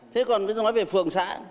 thế còn nói về phường xã